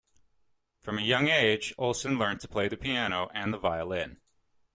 From a young age Olsen learnt to play the piano and the violin.